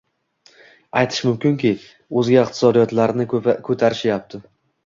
Aytish mumkinki, o‘zga iqtisodiyotlarni ko‘tarishyapti.